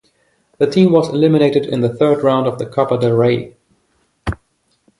The team was eliminated in the third round of the Copa del Rey.